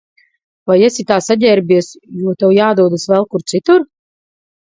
Vai esi tā saģērbies, jo tev jādodas vēl kur citur?